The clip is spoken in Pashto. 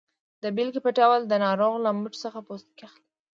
د بیلګې په ډول د ناروغ له مټ څخه پوستکی اخلي.